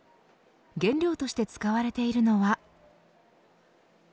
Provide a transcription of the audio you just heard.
原料として使われているのは。